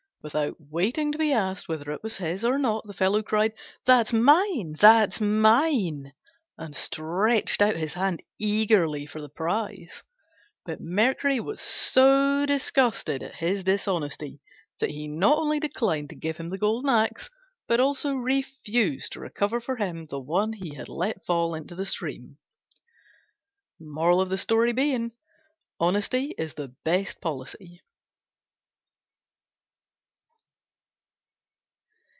Without waiting to be asked whether it was his or not the fellow cried, "That's mine, that's mine," and stretched out his hand eagerly for the prize: but Mercury was so disgusted at his dishonesty that he not only declined to give him the golden axe, but also refused to recover for him the one he had let fall into the stream. Honesty is the best policy.